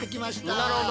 なるほど。